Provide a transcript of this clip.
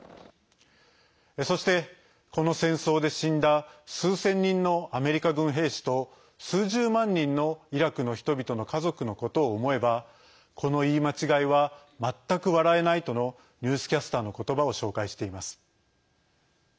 そして、この戦争で死んだ数千人のアメリカ軍兵士と数十万人のイラクの人々の家族のことを思えばこの言い間違いは全く笑えないとのニュースキャスターのことばを紹介しています。